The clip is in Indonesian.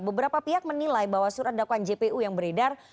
beberapa pihak menilai bahwa surat dakwaan jpu yang beredar